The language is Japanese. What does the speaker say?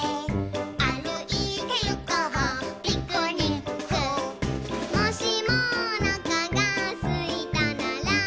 「あるいてゆこうピクニック」「もしもおなかがすいたなら」